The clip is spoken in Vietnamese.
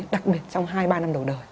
đặc biệt trong hai ba năm đầu đời